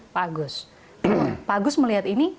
pak agus pak agus melihat ini